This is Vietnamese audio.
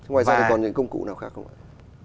ngoài ra còn những công cụ nào khác không ạ